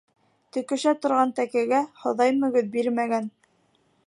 Төкөшә торған тәкәгә Хоҙай мөгөҙ бирмәгән.